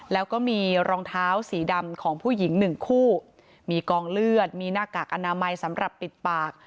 แล้วก็มีรองเท้าสีดำของผู้หญิงหนึ่งคู่มีกองเลือดมีหน้ากากอนามัยสำหรับปิดปาก